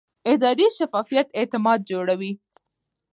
اداري شفافیت اعتماد جوړوي